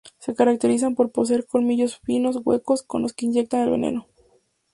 Se caracterizan por poseer colmillos fijos huecos por los que inyectan el veneno.